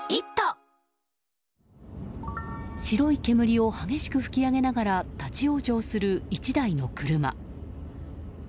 白い煙を激しく噴き上げながら立ち往生する１台の車。